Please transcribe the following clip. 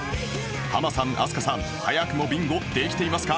ハマさん飛鳥さん早くもビンゴできていますか？